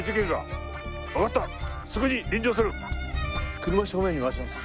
車を正面に回します。